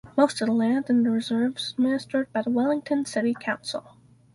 Most of the land in the reserve is administered by the Wellington City Council.